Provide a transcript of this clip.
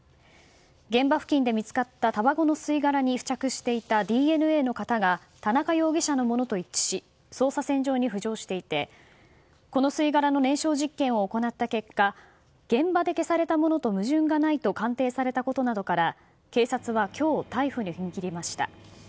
現場付近で見つかったたばこの吸い殻に付着していたＤＮＡの型が田中容疑者のものと一致し捜査線上に浮上していてこの吸い殻の燃焼実験を行った結果現場で消されたものと矛盾がないと鑑定されたことなどから警察は今日逮捕に踏み切りました。